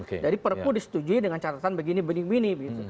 dari perpu jadi perpu disetujui dengan catatan begini begini begini